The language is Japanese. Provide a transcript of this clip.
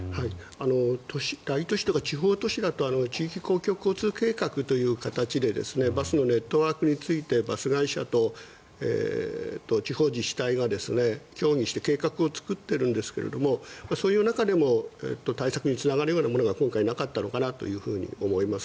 大都市とか地方都市だと地域公共交通計画という形でバスのネットワークについてバス会社と地方自治体が協議して計画を作ってるんですがそういう中でも対策につながるようなものが今回なかったのかなと思います。